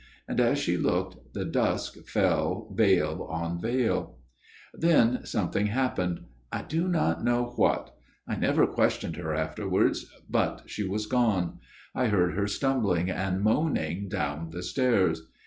And as she looked the dusk fell veil on veil. 128 A MIRROR OF SHALOTT "Then something happened: I do not know what ; I never questioned her afterwards ; but she was gone ; I heard her stumbling and moaning down the stairs.